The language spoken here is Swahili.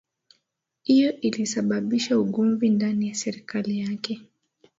hiyo ilisababisha ugomvi ndani ya serikali yake